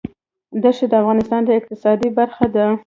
دښتې د افغانستان د اقتصاد برخه ده.